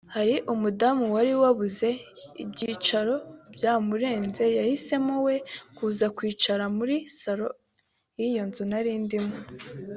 Hari umudamu wari wabuze ibyicaro byamurenze yahisemo we kuza kwicara muri salon y’iyo nzu nari ndimo